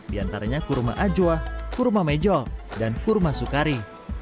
diantaranya kurma ajwa kurma mejo dan kurma sukari